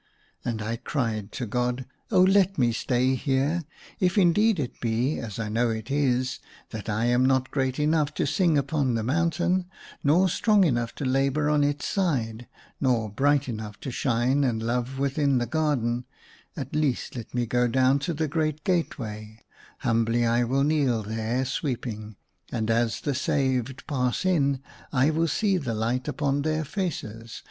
And I cried to God, '* Oh, let me stay here ! If indeed it be, as I know it is, that I am not great enough to sing upon the mountain, nor strong enough to labour on its side, nor bright enough to shine and love within the garden, at least let me go down to the great gateway; humbly I will kneel there sweeping ; and, as the saved pass in, I will see the light upon their faces.